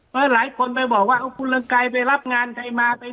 แล้วหลายคนไปบอกว่าเขาคุณเหลังกายไปรับงานใครมาไป